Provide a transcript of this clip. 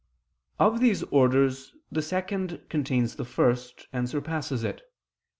Of these orders the second contains the first and surpasses it.